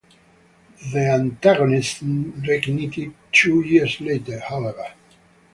The antagonism reignited two years later, however.